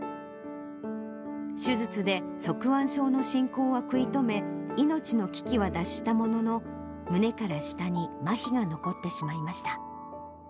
手術で側弯症の進行は食い止め、命の危機は脱したものの、胸から下にまひが残ってしまいました。